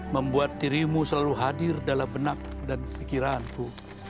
membuat dirimu selalu hadir dalam benak dan pikiranku